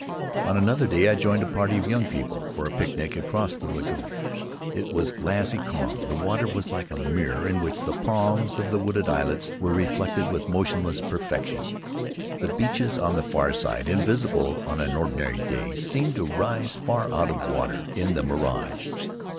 "On another day I joined a party of young people for a picnic across the lagoon. It was glassy calm; the water was like a mirror in which the palms of the wooded islets were reflected with motionless perfection. The beaches on the far side, invisible on an ordinary day, seemed to rise far out of water in the mirage.